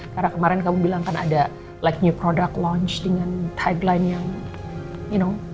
karena kemarin kamu bilang kan ada like new product launch dengan tagline yang you know